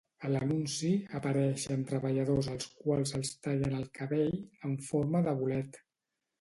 A l'anunci apareixen treballadors als quals els tallen el cabell "en forma de bolet".